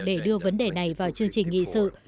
để đưa vấn đề này vào chương trình nghị sự